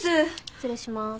失礼します。